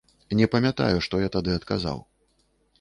Не памятаю, што я тады адказаў.